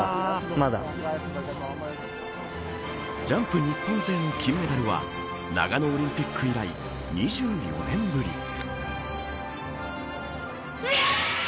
ジャンプ日本勢の金メダルは長野オリンピック以来２４年ぶり。